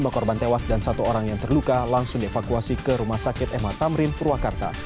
lima korban tewas dan satu orang yang terluka langsung dievakuasi ke rumah sakit mh tamrin purwakarta